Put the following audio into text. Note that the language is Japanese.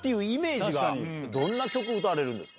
どんな曲歌われるんですか？